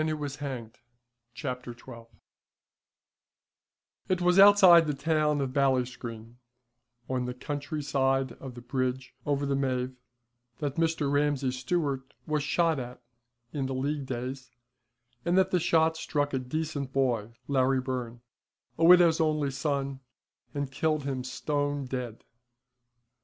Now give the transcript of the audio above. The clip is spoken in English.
XII THE MAN WHO WAS HANGED It was outside the town of Ballinscreen, on the country side of the bridge over the Maeve, that Mr. Ramsay Stewart was shot at in the League days, and that the shot struck a decent boy, Larry Byrne, a widow's only son, and killed him stone dead.